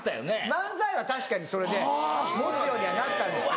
漫才は確かにそれで持つようにはなったんですけど。